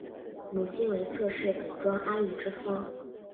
母亲为侧室本庄阿玉之方。